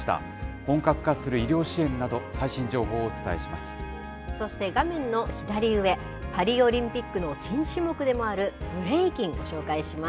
本格化する医療支援など、最新情そして、画面の左上、パリオリンピックの新種目でもある、ブレイキンをご紹介します。